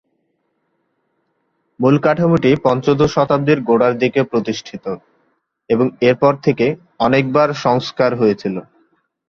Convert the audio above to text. মূল কাঠামোটি পঞ্চদশ শতাব্দীর গোড়ার দিকে প্রতিষ্ঠিত এবং এর পর থেকে অনেকবার সংস্কার হয়েছিল।